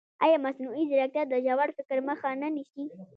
ایا مصنوعي ځیرکتیا د ژور فکر مخه نه نیسي؟